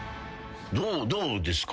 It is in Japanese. どうですか？